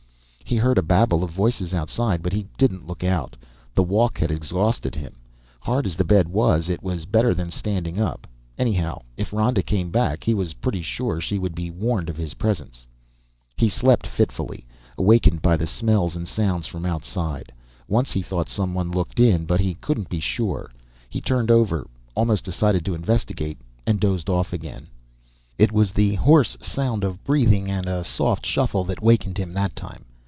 He heard a babble of voices outside, but he didn't look out. The walk had exhausted him. Hard as the bed was, it was better than standing up. Anyhow, if Ronda came back, he was pretty sure she would be warned of his presence. He slept fitfully, awakened by the smells and sounds from outside. Once he thought someone looked in, but he couldn't be sure. He turned over, almost decided to investigate, and dozed off again. It was the hoarse sound of breathing and a soft shuffle that wakened him that time.